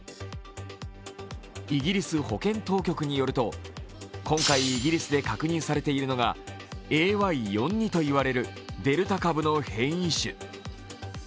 イギリス保健当局によると、今回イギリスで確認されているのがＡＹ．４．２と呼ばれるデルタ株の変異種。